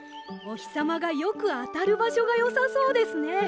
おひさまがよくあたるばしょがよさそうですね。